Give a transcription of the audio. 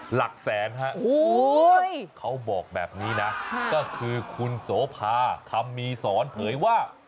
หลักแสนฮะเขาบอกแบบนี้นะก็คือคุณโสภาคำมีสอนเผยว่า